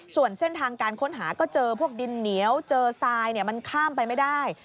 ส่วนเส้นทางการค้นหาก็เจอพวกดินเหนียวเจอทรายมันข้ามไปไม่ได้